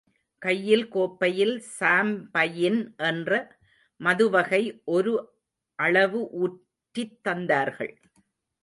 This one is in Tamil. கையில் கோப்பையில் சாம்பயின் என்ற மதுவகை ஒரு அளவு ஊற்றித் தந்தார்கள்.